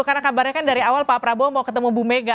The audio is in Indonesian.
karena kabarnya kan dari awal pak prabowo mau ketemu bu mega